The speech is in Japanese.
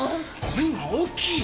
声が大きい！